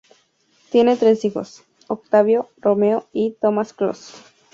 Tiene tres hijos: Octavio, Romeo y Tomás Closs.